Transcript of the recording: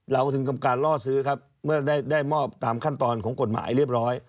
เราถึงทำการล่อซื้อครับเมื่อได้มอบตามขั้นตอนของกฎหมายเรียบร้อย